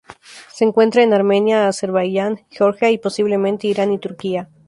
Se encuentra en Armenia, Azerbaiyán, Georgia, y posiblemente Irán y Turquía.